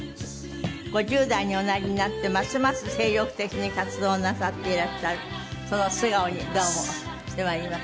５０代におなりになってますます精力的に活動なさっていらっしゃるその素顔にどうも迫ります。